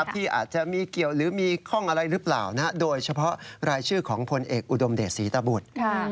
ที่อาจจะมีเกี่ยวหรือมีข้องอะไรหรือเปล่าโดยเฉพาะรายชื่อของพลเอกอุดมเดชศรีตบุตร